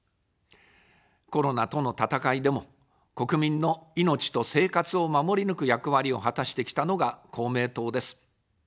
コロナとの闘いでも、国民の命と生活を守り抜く役割を果たしてきたのが公明党です。